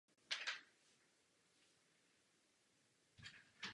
Evropská lidová strana považuje antidiskriminační politiku za mimořádně důležitou.